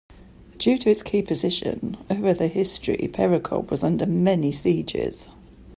Due to its key position, over the history Perekop was under many sieges.